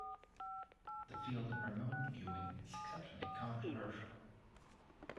The field of remote viewing is exceptionally controversial.